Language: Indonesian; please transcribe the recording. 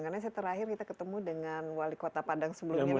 karena saya terakhir kita ketemu dengan wali kota padang sebelumnya